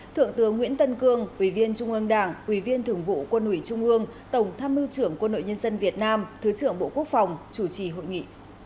thượng tướng nguyễn tân cương ủy viên trung ương đảng ủy viên thường vụ quân ủy trung ương tổng tham mưu trưởng quân đội nhân dân việt nam thứ trưởng bộ quốc phòng chủ trì hội nghị